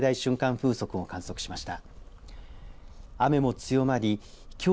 風速を観測しました。